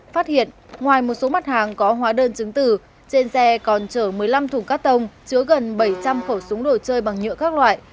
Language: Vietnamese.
phát hiện ngoài một số mặt hàng có hóa đơn chứng tử trên xe còn chở một mươi năm thùng cắt tông chứa gần bảy trăm linh khẩu súng đồ chơi bằng nhựa các loại